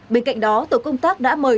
bên cạnh đó tội công tác đã mời